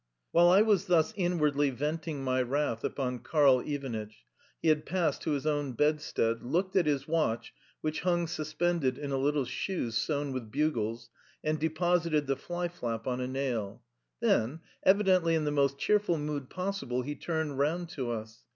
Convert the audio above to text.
While I was thus inwardly venting my wrath upon Karl Ivanitch, he had passed to his own bedstead, looked at his watch (which hung suspended in a little shoe sewn with bugles), and deposited the fly flap on a nail, then, evidently in the most cheerful mood possible, he turned round to us.